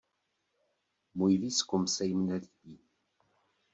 Můj výzkum se jim nelíbí.